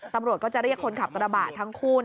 ตำรวจก็จะเรียกคนขับกระบะทั้งคู่